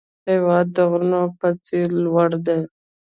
هېواد د غرونو په څېر لوړ دی.